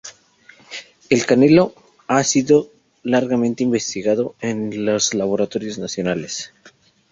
El canelo ha sido largamente investigado en los laboratorios nacionales.